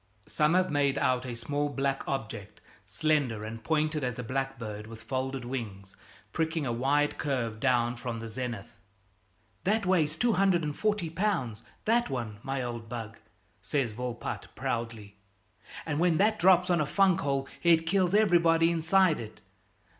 Some have made out a small black object, slender and pointed as a blackbird with folded wings, pricking a wide curve down from the zenith. "That weighs 240 lb., that one, my old bug," says Volpatte proudly, "and when that drops on a funk hole it kills everybody inside it.